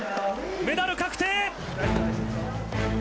メダル確定！